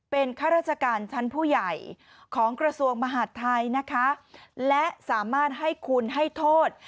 เป็นข้าราชการชั้นผู้ใหญ่ของกระทรวงมหาดไทยนะคะและสามารถให้คุณให้โทษ